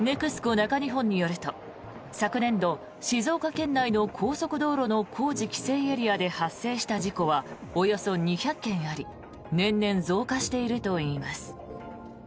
中日本によると昨年度、静岡県内の高速道路の工事規制エリアで発生した事故はおよそ２００件あり年々増加しているといいます。